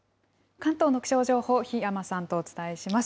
関東の気象情報、檜山さんとお伝えします。